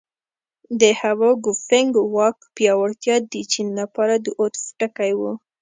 د هوا ګوفینګ واک پیاوړتیا د چین لپاره د عطف ټکی و.